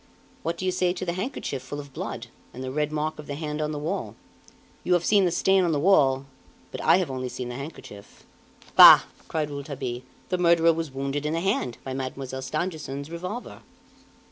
What do you say to the handkerchief full of blood, and the red mark of the hand on the wall? You have seen the stain on the wall, but I have only seen the handkerchief." "Bah!" cried Rouletabille, "the murderer was wounded in the hand by Mademoiselle Stangerson's revolver!"